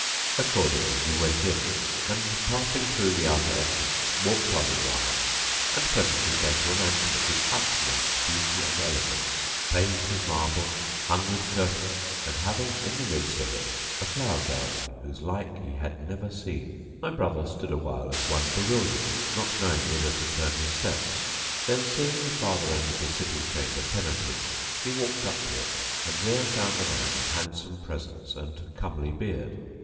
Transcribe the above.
Accordingly he went in and, passing through the outer entrance, walked on a while and presently came to a mansion of the utmost beauty and elegance, paved with marble, hung with curtains and having in the midst of it a flower garden whose like he had never seen.[FN#685] My brother stood awhile as one bewildered not knowing whither to turn his steps; then, seeing the farther end of the sitting chamber tenanted, he walked up to it and there found a man of handsome presence and comely beard.